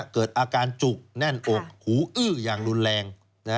เกิดอาการจุกแน่นอกหูอื้ออย่างรุนแรง